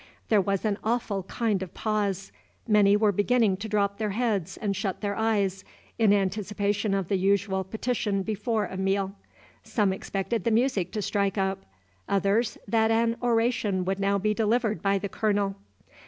There was an awful kind of pause. Many were beginning to drop their heads and shut their eyes, in anticipation of the usual petition before a meal; some expected the music to strike up, others, that an oration would now be delivered by the Colonel.